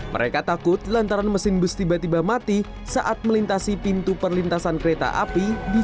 mereka takut lantaran mesin bus tiba tiba mati saat melintasi pintu perlintasan kereta api di